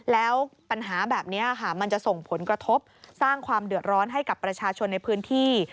แล้วปัญหาแบบนี้ค่ะมันจะส่งผลกระทบสร้างความเดือดร้อนให้กับประชาชนในพื้นที่